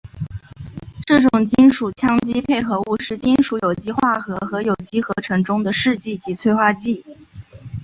这种金属羰基配合物是金属有机化学和有机合成中的试剂及催化剂。